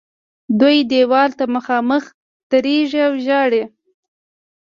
دوی دیوال ته مخامخ درېږي او ژاړي.